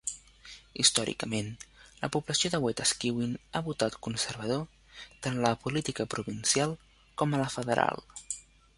Històricament, la població de Wetaskiwin ha votat conservador tant a la política provincial com a la federal.